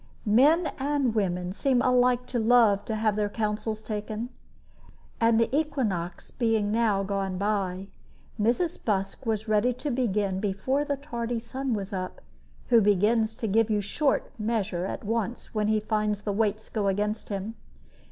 Men and women seem alike to love to have their counsels taken; and the equinox being now gone by, Mrs. Busk was ready to begin before the tardy sun was up, who begins to give you short measure at once when he finds the weights go against him.